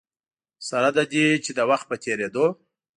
سره له دې چې د وخت په تېرېدو.